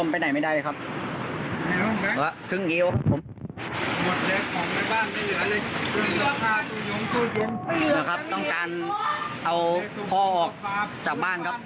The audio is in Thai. พี่รินโอ่งจะไปแล้วครับโอ่งจะไปแล้วครับ